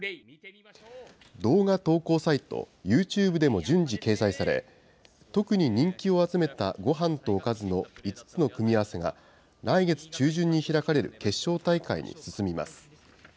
動画投稿サイト、ユーチューブでも順次掲載され、特に人気を集めたごはんとおかずの５つの組み合わせが、来月中旬に開かれる決勝大会に進みます。